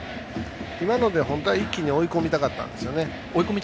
今ので本当は一気に追い込みたかったんですよね。